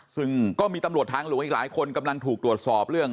ซึ่งก็มีตำรวจทางหลวงอีกหลายคนกำลังถูกตรวจสอบเรื่อง